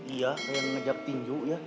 iya kayak yang ngajak tinju ya